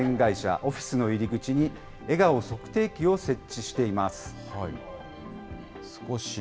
オフィスの入り口に笑顔測定器を設置しています。